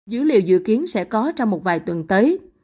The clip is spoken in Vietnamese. dữ liệu dự kiến sẽ có trong một vài tuần tới